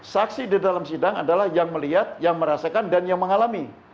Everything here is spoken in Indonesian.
saksi di dalam sidang adalah yang melihat yang merasakan dan yang mengalami